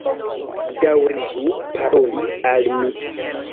Daŭrigu paroli al mi